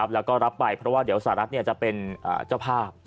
แล้วก็รับไปเพราะว่าเดี๋ยวสหรัฐจะเป็นเจ้าภาพ